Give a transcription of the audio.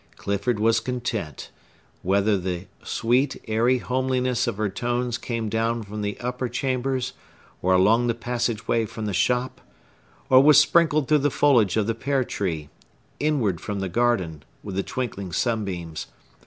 Clifford was content, whether the sweet, airy homeliness of her tones came down from the upper chambers, or along the passageway from the shop, or was sprinkled through the foliage of the pear tree, inward from the garden, with the twinkling sunbeams.